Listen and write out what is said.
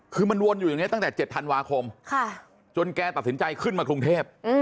คือมันวนอยู่อย่างนี้ตั้งแต่๗ธันวาคมจนแกตัดสินใจขึ้นมากรุงเทพ